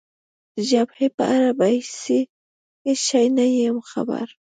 د جبهې په اړه په هېڅ شي نه یم خبر.